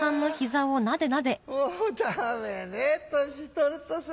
もうダメね年取るとさ。